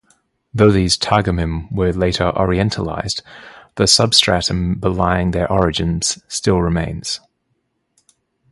Though these "targumim" were later "orientalised", the substratum belying their origins still remains.